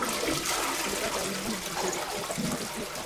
alipata aibu na alijeruhiwa kwa sababu Cleopatra alikuwa anaona